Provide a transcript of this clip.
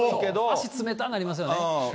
足つめたなりますよね。